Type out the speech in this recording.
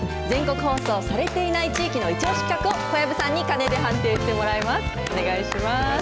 全国放送されていない地域の一押し企画を、小籔さんに鐘で判定してもらいます。